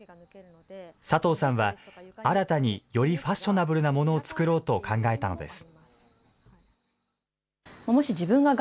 佐藤さんは、新たによりファッショナブルなものを作ろうと考えたのです。